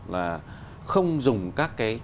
là không dùng các cái